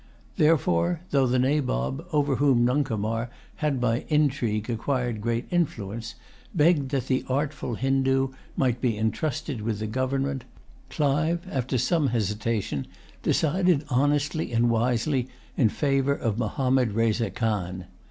Therefore, though the Nabob, over whom Nuncomar had by intrigue acquired great influence, begged that the artful Hindoo might be entrusted with the government, Clive, after some hesitation, decided honestly and wisely in favor of Mahommed Reza Khan.